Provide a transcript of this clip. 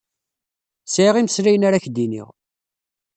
Sɛiɣ imeslayen ara k-d-iniɣ.